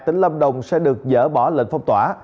tỉnh lâm đồng sẽ được dỡ bỏ lệnh phong tỏa